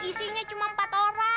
isinya cuma empat orang